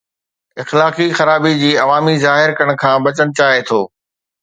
اخلاقي خرابي جي عوامي ظاهر ڪرڻ کان بچڻ چاهي ٿو